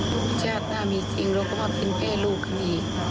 ชาติหน้ามีจริงเราก็ว่าเป็นแค่ลูกอันนี้